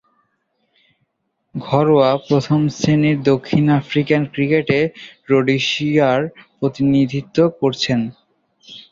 ঘরোয়া প্রথম-শ্রেণীর দক্ষিণ আফ্রিকান ক্রিকেটে রোডেশিয়ার প্রতিনিধিত্ব করেছেন।